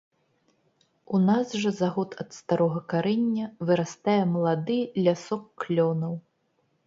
У нас жа за год ад старога карэння вырастае малады лясок клёнаў.